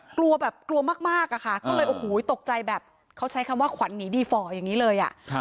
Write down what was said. กลัวแบบกลัวมากอะค่ะก็เลยโอ้โหตกใจแบบเขาใช้คำว่าขวัญหนีดีฝ่ออย่างนี้เลยอ่ะ